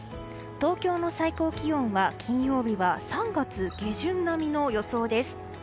東京の最高気温は金曜日は３月下旬並みの予想です。